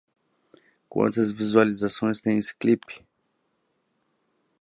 Quantas visualizações tem esse clip?